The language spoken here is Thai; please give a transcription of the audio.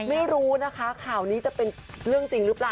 ไม่รู้นะคะข่าวนี้จะเป็นเรื่องจริงหรือเปล่า